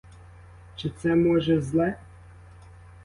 Чи це, може, зле?